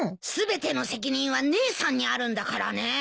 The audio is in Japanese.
全ての責任は姉さんにあるんだからね。